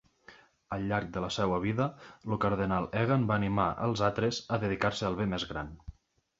Al llarg de la seva vida, el cardenal Egan va animar als altres a dedicar-se al bé més gran.